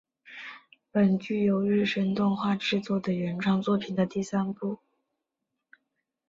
本剧由日升动画制作的原创作品的第三部。